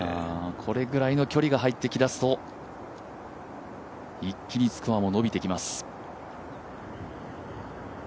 これぐらいの距離が入ってきますと、一気にスコアも伸びてきます。